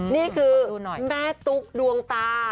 นี่คือแม่ตุ๊กดวงตา